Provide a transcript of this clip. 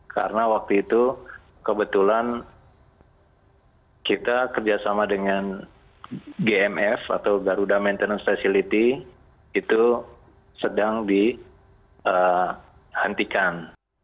karena waktu itu kebetulan kita kerjasama dengan gmf atau garuda maintenance facility itu sedang dihentikan